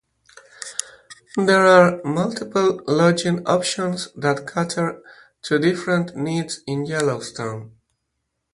There are multiple lodging options that cater to different needs in Yellowstone.